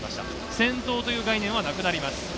先頭という概念はなくなります。